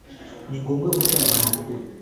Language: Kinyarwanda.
Ni ngombwa gutanga amakuru